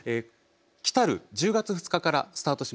来る１０月２日からスタートします